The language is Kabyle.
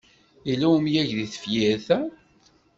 Yella umyag deg tefyirt-a?